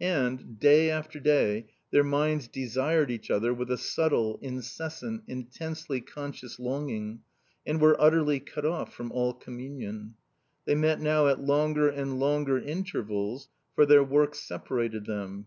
And, day after day, their minds desired each other with a subtle, incessant, intensely conscious longing, and were utterly cut off from all communion. They met now at longer and longer intervals, for their work separated them.